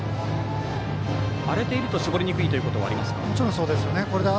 荒れていると絞りにくいということは